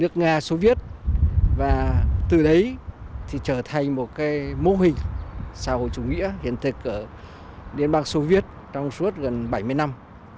nước nga sô viết và từ đấy thì trở thành một cái mô hình xã hội chủ nghĩa hiện thực ở điện bang sô viết trong suốt gần bảy mươi năm